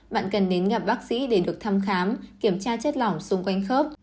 bạn cần đến gặp bác sĩ để được thăm khám kiểm tra chất lỏng xung quanh khớp